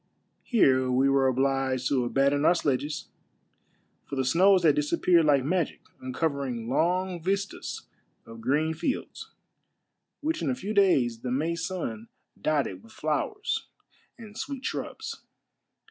Here we were obliged to aban don our sledges, for the snows had disappeared like magic, uncovering long vistas of green fields, which in a few days the May sun dotted with flowers and sweet shrubs.